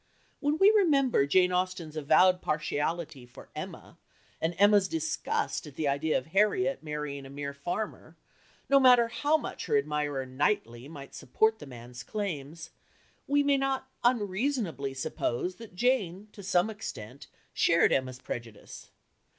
When we remember Jane Austen's avowed partiality for Emma, and Emma's disgust at the idea of Harriet marrying a mere farmer, no matter how much her admirer Knightley might support the man's claims, we may not unreasonably suppose that Jane to some extent shared Emma's prejudice.